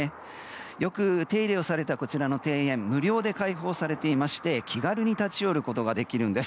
よく手入れをされたこちらの庭園無料で開放されていまして気軽に立ち寄ることができるんです。